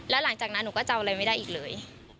แล้วหลังจากนั้นหนูก็จำอะไรไม่ได้อีกเลย